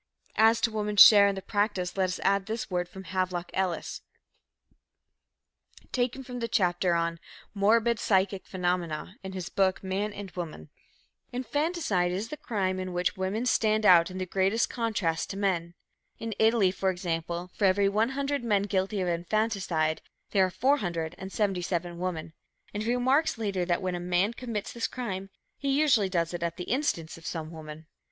As to woman's share in the practice, let us add this word from Havelock Ellis, taken from the chapter on "Morbid Psychic Phenomena" in his book, Man and Woman: "Infanticide is the crime in which women stand out in the greatest contrast to men; in Italy, for example, for every 100 men guilty of infanticide, there are 477 women." And he remarks later that when a man commits this crime, "he usually does it at the instance of some woman."